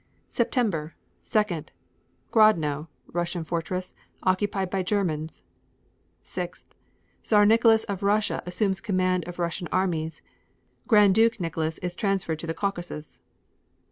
September 2. Grodno, Russian fortress, occupied by Germans. 6. Czar Nicholas of Russia assumes command of Russian armies. Grand Duke Nicholas is transferred to the Caucasus.